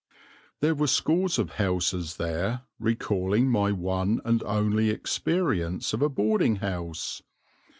There were scores of houses there recalling my one and only experience of a boarding house.